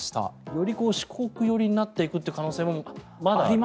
より四国寄りになっていく可能性もある？